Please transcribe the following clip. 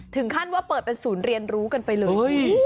ถึงขั้นว่าเปิดเป็นศูนย์เรียนรู้กันไปเลย